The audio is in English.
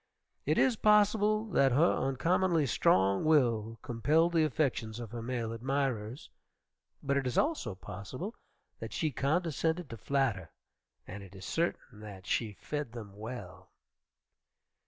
It is possible that her uncommonly strong will compelled the affections of her male admirers, but it is also possible that she condescended to flatter, and it is certain that she fed them well.